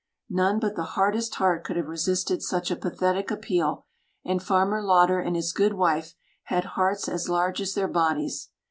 None but the hardest heart could have resisted such a pathetic appeal, and Farmer Lauder and his good wife had hearts as large as their bodies.